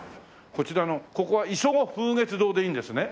こちらのここは磯子風月堂でいいんですね？